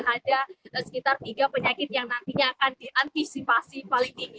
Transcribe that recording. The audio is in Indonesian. ada sekitar tiga penyakit yang nantinya akan diantisipasi paling tinggi